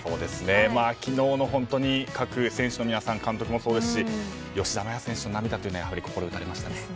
昨日の各選手の皆さん監督もそうですし吉田麻也選手の涙というのは心を打たれましたね。